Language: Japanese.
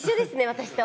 私と。